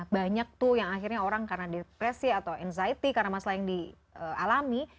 banyak tuh yang akhirnya orang karena depresi atau anxiety karena masalah yang dialami